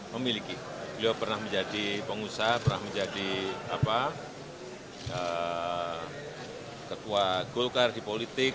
memiliki beliau pernah menjadi pengusaha pernah menjadi ketua golkar di politik